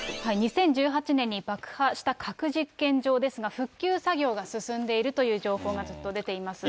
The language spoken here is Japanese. ２０１８年に爆破した核実験場ですが、復旧作業が進んでいるという情報がずっと出ています。